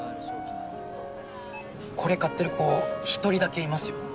これ買ってる子１人だけいますよ。